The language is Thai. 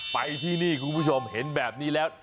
ไปที่นี่คุณผู้ชมเห็นแบบนี้แล้ว